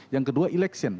yang kedua eleksi